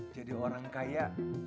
jadi orang kaya